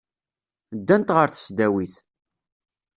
Ddant ɣer tesdawit.